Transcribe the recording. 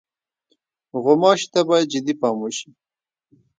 غوماشې ته باید جدي پام وشي.